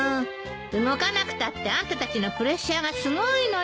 動かなくたってあんたたちのプレッシャーがすごいのよ。